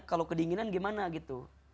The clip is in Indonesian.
kalau kedinginan gimana gitu